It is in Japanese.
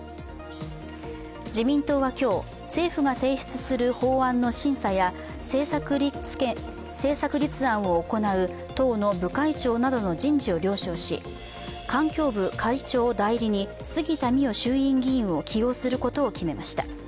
自民党は今日、政府が提出する法案の審査や政策立案を行う党の部会長などの人事を了承し環境部会長代理に杉田水脈衆院議員を起用することを決めました。